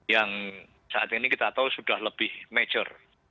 yang saat ini kita tahu sudah lebih major